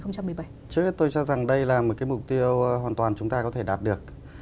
trước hết tôi cho rằng đây là một cái mục tiêu hoàn toàn chúng ta có thể đạt được